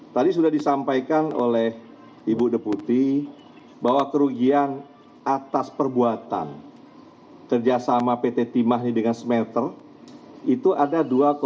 tadi sudah disampaikan oleh ibu deputi bahwa kerugian atas perbuatan kerjasama pt timah ini dengan smelter itu ada dua tiga